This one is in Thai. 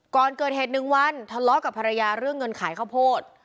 ก่อนเกิดเหตุ๑วันทะเลาะกับภรรยาเรื่องเงินขายข้าวโพด